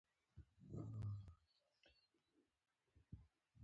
زړه مې وغوښتل مرسته ورسره وکړم.